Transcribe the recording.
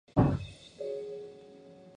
李叔平先生自五十年代起从事美术创作。